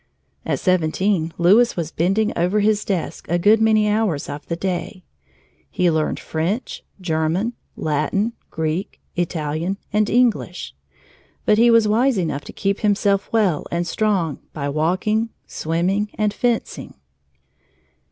At seventeen Louis was bending over his desk a good many hours of the day. He learned French, German, Latin, Greek, Italian, and English. But he was wise enough to keep himself well and strong by walking, swimming, and fencing.